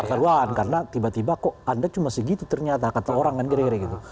ketaruhan karena tiba tiba kok anda cuma segitu ternyata kata orang kan kira kira gitu